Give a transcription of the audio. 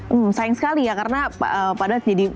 hmm sayang sekali ya karena padahal jadi